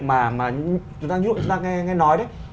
mà chúng ta nghe nói